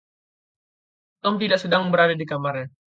Tom tidak sedang berada di kamarnya.